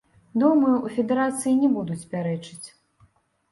Думаю, у федэрацыі не будуць пярэчыць.